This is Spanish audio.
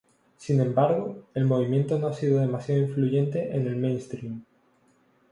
Sin embargo, el movimiento no ha sido demasiado influyente en el "mainstream".